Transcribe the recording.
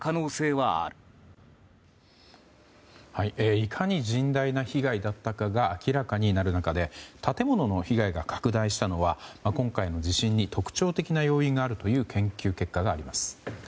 いかに甚大な被害だったかが明らかになる中で建物の被害が拡大したのは今回の地震に特徴的な要因があるという研究結果があります。